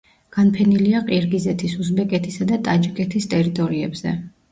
განფენილია ყირგიზეთის, უზბეკეთისა და ტაჯიკეთის ტერიტორიებზე.